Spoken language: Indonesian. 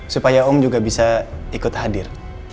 supaya om juga bisa ikut hadir